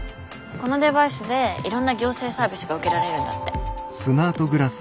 このデバイスでいろんな行政サービスが受けられるんだって。